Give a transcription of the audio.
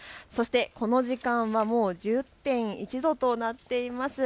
この時間はもう１０．１度となっています。